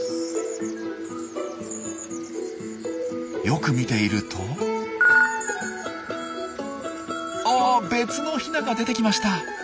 よく見ているとあ別のヒナが出てきました。